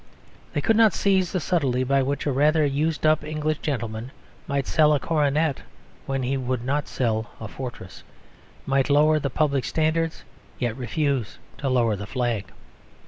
They could not seize the subtlety by which a rather used up English gentleman might sell a coronet when he would not sell a fortress; might lower the public standards and yet refuse to lower the flag.